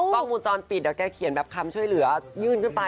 กล้องวงจรปิดเดี๋ยวแกเขียนแบบคำช่วยเหลือยื่นขึ้นไป